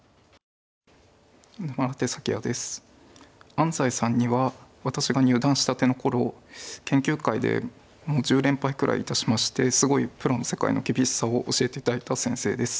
安斎さんには私が入段したての頃研究会でもう１０連敗くらいいたしましてすごいプロの世界の厳しさを教えて頂いた先生です。